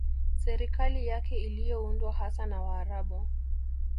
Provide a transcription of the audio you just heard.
Serikali yake iliyoundwa hasa na Waarabu